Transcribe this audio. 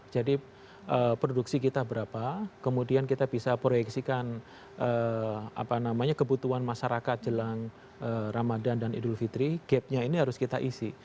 jadi produksi kita berapa kemudian kita bisa proyeksikan kebutuhan masyarakat jelang ramadan dan idul fitri gap nya ini harus kita isi